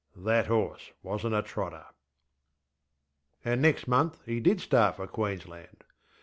That horse wasnŌĆÖt a trotter. And next month he did start for Queensland.